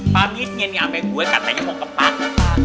pagetnya nih ampe gue katanya mau ke pantai